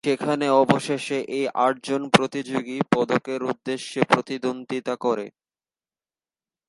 সেখানে অবশেষে এই আটজন প্রতিযোগী পদকের উদ্দেশ্যে প্রতিদ্বন্দ্বিতা করে।